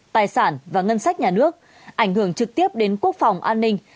tài sản và ngân sách nhà nước ảnh hưởng trực tiếp đến quốc phòng an ninh